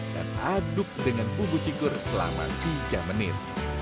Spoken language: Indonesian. dan aduk dengan bumbu cikur selama tiga menit